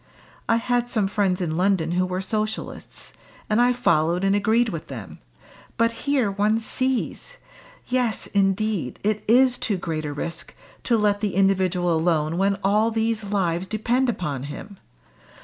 I had some friends in London who were Socialists, and I followed and agreed with them, but here one sees! Yes, indeed! it is too great a risk to let the individual alone when all these lives depend upon him.